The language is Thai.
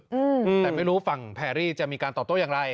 อืมแต่ไม่รู้ฝั่งแพรรี่จะมีการตอบโต้อย่างไร